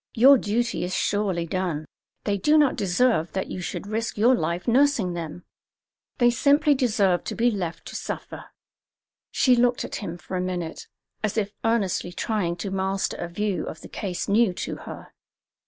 Your duty is surely done. They do not deserve that you should risk your life nursing them; they simply deserve to be left to suffer." She looked at him for a minute, as if earnestly trying to master a view of the case new to her.